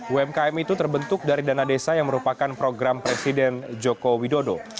umkm itu terbentuk dari dana desa yang merupakan program presiden joko widodo